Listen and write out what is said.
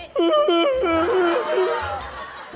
นี่นี่